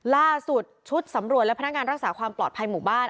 ล่าสุดชุดสำรวจและพนักงานรักษาความปลอดภัยหมู่บ้าน